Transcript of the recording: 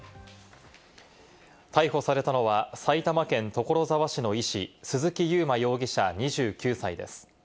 逮捕されたのは、埼玉県所沢市の医師・鈴木佑麿容疑者２９歳です。